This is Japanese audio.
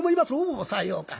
「おおさようか。